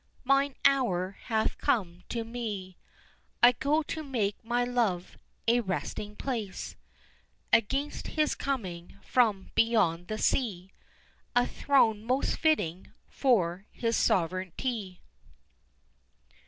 mine hour hath come to me; I go to make my love a resting place Against his coming from beyond the sea A throne most fitting for his sovereignty."